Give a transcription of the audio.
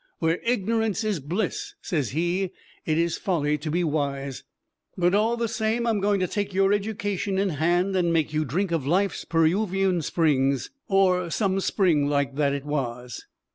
"Where ignorance is bliss," says he, "it is folly to be wise. But all the same, I'm going to take your education in hand and make you drink of life's Peruvian springs." Or some spring like that it was.